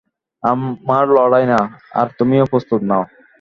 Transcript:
আমার লড়াই না, আর তুমিও প্রস্তুত না।